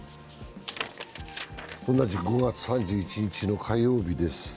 同じく５月３１日の火曜日です